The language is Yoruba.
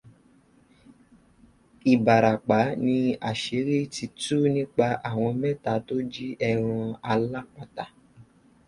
Ìbàràpá ni àṣírí ti tú nípa àwọn mẹ́ta tó jí ẹran alápatà